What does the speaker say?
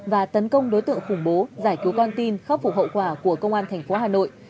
và tấn công đối tượng khủng bố giải cứu con tin khắc phục hậu quả của công an thành phố hà nội